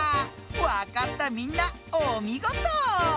わかったみんなおみごと。